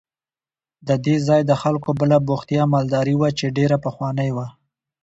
د دې ځای د خلکو بله بوختیا مالداري وه چې ډېره پخوانۍ وه.